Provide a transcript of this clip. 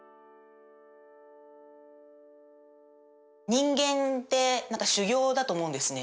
人間って何か修行だと思うんですね。